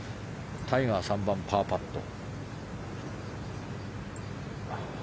タイガーは３番、パーパット。